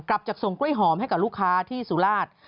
กลับจากส่งกล้วยหอมให้กับลูกค้าที่สุราช